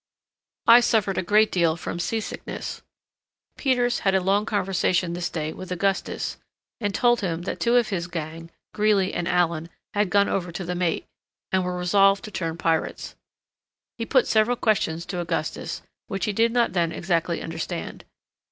I suffered a great deal from sea sickness. Peters had a long conversation this day with Augustus, and told him that two of his gang, Greely and Allen, had gone over to the mate, and were resolved to turn pirates. He put several questions to Augustus which he did not then exactly understand.